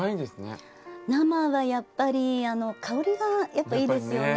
生はやっぱり香りがいいですよね。